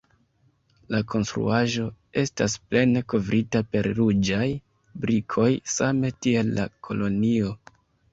La konstruaĵo estas plene kovrita per ruĝaj brikoj, same tiel la kolonio.